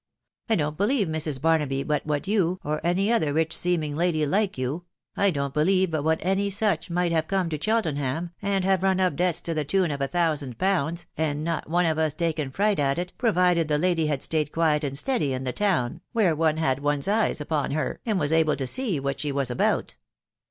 I don't believe, Mrs. Barnaby, but what yon, or any other rich seeming lady like you, .... I don't believe but what any such might have come to Cheltenham, and have run up debts to the tune of t thousand pounds, and not one of us taken fright at jt, provided the lady had stayed quiet and steady in the town, where one had one's eyes upon her, and was able to see what she wai about.